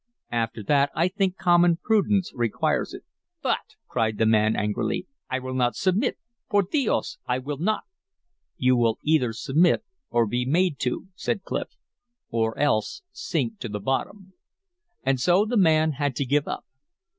After that I think common prudence requires it." "But," cried the man, angrily. "I will not submit! Por dios, I will not " "You will either submit or be made to," said Clif, "or else sink to the bottom." And so the man had to give up.